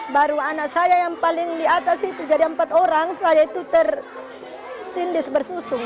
baru anak saya yang paling diatas itu jadi empat orang saya itu tertindis bersusung